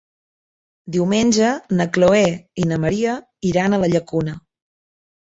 Diumenge na Chloé i na Maria iran a la Llacuna.